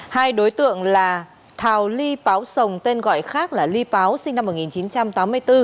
hai đối tượng là thảo ly páo sồng tên gọi khác là ly páo sinh năm một nghìn chín trăm tám mươi bốn